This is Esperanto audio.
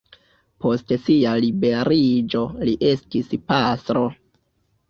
Post sia liberiĝo li estis pastro.